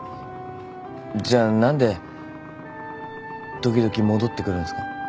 じゃあ何で時々戻ってくるんすか？